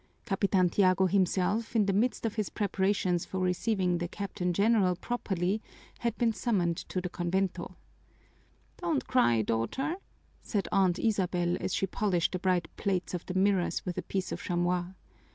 Capitan Tiago himself, in the midst of his preparations for receiving the Captain General properly, had been summoned to the convento. "Don't cry, daughter," said Aunt Isabel, as she polished the bright plates of the mirrors with a piece of chamois.